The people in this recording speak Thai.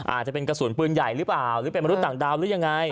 อาจจะเป็นกระสุนปืนใหญ่หรือเปล่าหรือเป็นมนุษย์ต่างดาวหรือยังไง